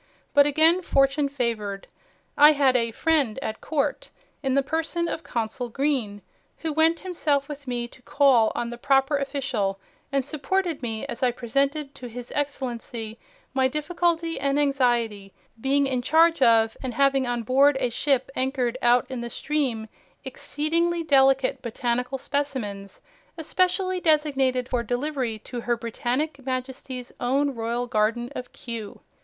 But again fortune favored. I had a 'friend at court' in the person of Consul Green, who went himself with me to call on the proper official, and supported me as I presented to His Excellency 'my difficulty and anxiety, being in charge of, and having on board a ship anchored out in the stream, exceedingly delicate botanical specimens, especially designated for delivery to Her Britannic Majesty's own Royal Garden of Kew.